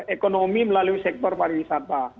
ekonomi melalui sektor pariwisata